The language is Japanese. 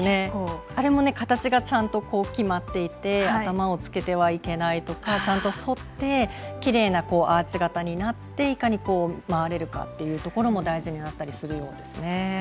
あれも形がちゃんと決まっていて頭をつけてはいけないとかちゃんと、そってきれいなアーチ型になっていかに回れるかというところも大事になったりするようですね。